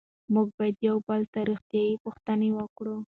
موږ باید د یو بل روغتیایي پوښتنه وکړو.